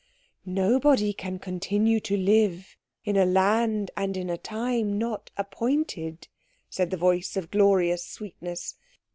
"Nobody can continue to live in a land and in a time not appointed," said the voice of glorious sweetness.